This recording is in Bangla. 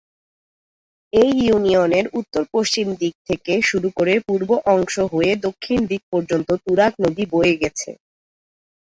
এই ইউনিয়নের উত্তর-পশ্চিম দিক থেকে শুরু করে পূর্ব অংশ হয়ে দক্ষিণ দিক পর্যন্ত তুরাগ নদী বয়ে গেছে।